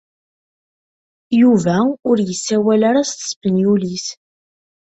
Yuba ur yessawal ara s tespenyulit.